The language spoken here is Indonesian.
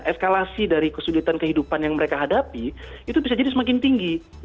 eskalasi dari kesulitan kehidupan yang mereka hadapi itu bisa jadi semakin tinggi